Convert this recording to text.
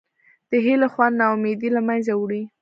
د هیلې خوند نا امیدي له منځه وړي.